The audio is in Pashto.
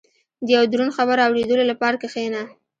• د یو دروند خبر اورېدو لپاره کښېنه.